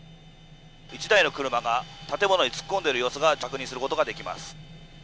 １台の車が建物に突っ込んでいる様子が確認することができます。